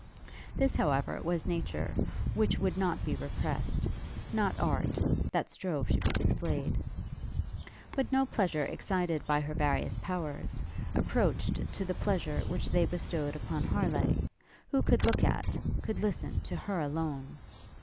This, however, was nature, which would not be repressed; not art, that strove to be displayed. But no pleasure excited by her various powers, approached to the pleasure which they bestowed upon Harleigh, who could look at, could listen to her alone.